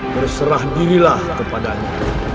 terserah dirilah kepadanya